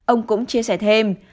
ông cũng chia sẻ thêm